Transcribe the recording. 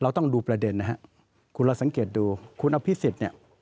เราต้องดูประเด็นนะครับคุณเราสังเกตดูคุณอภิสิทธิ์เนี่ย